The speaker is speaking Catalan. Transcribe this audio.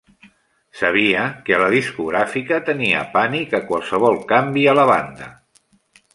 Sabia que a la discogràfica tenia pànic a qualsevol canvi a la banda.